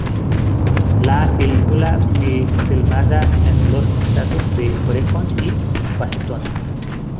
La película fue filmada en los estados de Oregón y Washington.